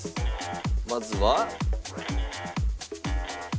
まずは。